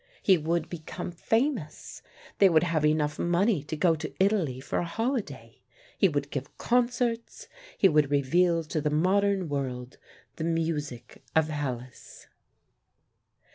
He would become famous; they would have enough money to go to Italy for a holiday; he would give concerts; he would reveal to the modern world the music of Hellas.